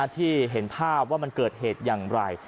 ที่เห็นภาพว่ามันเกิดเหตุอย่างไร